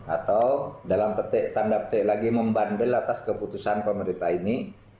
atau dalam petik tanda petik lagi membandel atas keputusan pemerintah ini